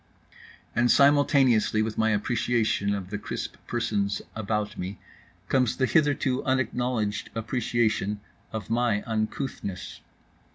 And simultaneously with my appreciation of the crisp persons about me comes the hitherto unacknowledged appreciation of my uncouthness.